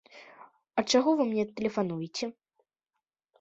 А чаго вы мне тэлефануеце?